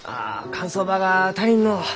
乾燥場が足りんのう。